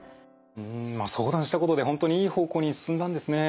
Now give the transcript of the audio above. うん相談したことで本当にいい方向に進んだんですね。